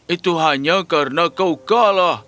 itu hanya karena kau kalah